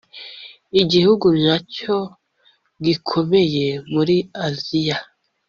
igihugu nacyo gikomeye muri Aziya